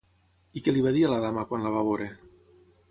I què li va dir a la dama quan la va veure?